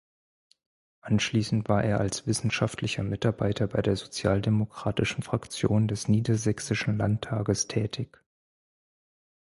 Anschließend war er als wissenschaftlicher Mitarbeiter bei der sozialdemokratischen Fraktion des Niedersächsischen Landtages tätig.